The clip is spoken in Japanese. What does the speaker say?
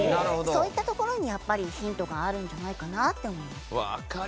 そういったところにヒントがあるんじゃないかなって思います。